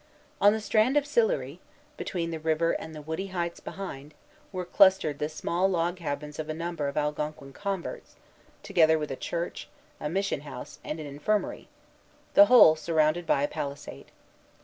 On the strand of Sillery, between the river and the woody heights behind, were clustered the small log cabins of a number of Algonquin converts, together with a church, a mission house, and an infirmary, the whole surrounded by a palisade.